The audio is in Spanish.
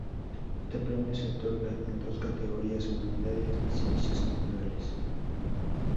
Este premio se otorga en dos categorías: humanidades y ciencias naturales.